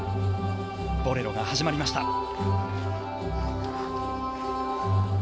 「ボレロ」が始まりました。